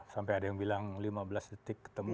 sampai ada yang bilang lima belas detik ketemu